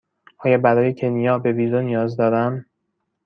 آیا برای کنیا به ویزا نیاز دارم؟